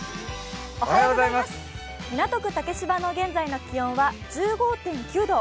港区竹芝の現在の気温は１５．９度。